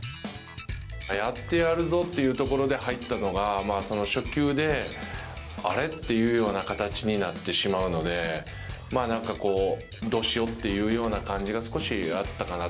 やってやるぞというところで入ったのがその初球であれっていうような形になってしまうので、どうしようっていうような感じが少しあったかな。